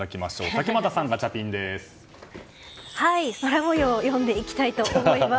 竹俣さん、ガチャピンです。